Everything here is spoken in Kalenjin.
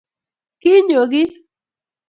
konyo kiy